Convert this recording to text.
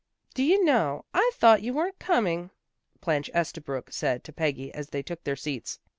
" Do you know, I thought you weren't coming." Blanche Estabrook said to Peggy as they took their seats.